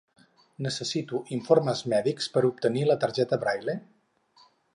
Necessito informes mèdics per obtenir la targeta Braille?